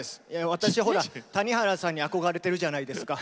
私ほら谷原さんに憧れてるじゃないですか。